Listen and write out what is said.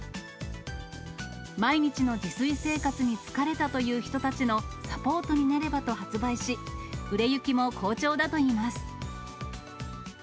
毎日の自炊生活に疲れたという人たちのサポートになればと発売し、売れ行きも好調だといいます。